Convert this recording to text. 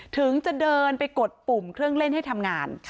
ถึงจะเดินไปกดปุ่มเครื่องเล่นให้ทำงาน